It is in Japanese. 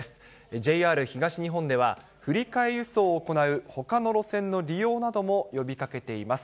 ＪＲ東日本では、振り替え輸送を行うほかの路線の利用なども呼びかけています。